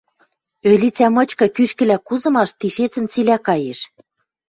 Ӧлицӓ мычкы кӱшкӹлӓ кузымаш тишецӹн цилӓ каеш.